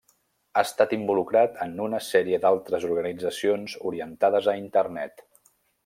Ha estat involucrat en una sèrie d'altres organitzacions orientades a Internet.